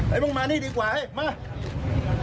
อะมึงมานี่ดีกว่ามาที